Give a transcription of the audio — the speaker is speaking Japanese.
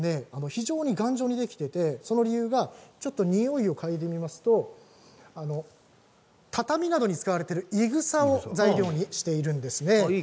非常に頑丈にできていてその理由が、ちょっとにおいを嗅いでみますと畳などに使われているいぐさを材料にしているんですね。